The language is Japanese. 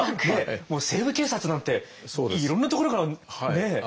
もう「西部警察」なんていろんなところからね。